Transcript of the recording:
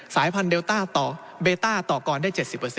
สายพันธุเดลต้าต่อเบต้าต่อกรได้๗๐